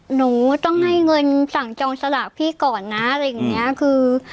หนูต้องให้เงินสั่งจองสลากพี่ก่อนนะอะไรอย่างเงี้ยคือ